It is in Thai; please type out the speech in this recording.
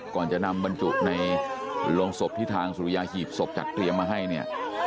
ก่อนจะนำบรรจุในโรงศพที่ทางสุริยาหีบศพจัดเตรียมมาให้เนี่ย